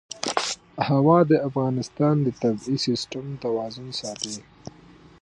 هوا د افغانستان د طبعي سیسټم توازن ساتي.